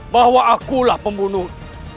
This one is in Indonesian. bahwa akulah pembunuh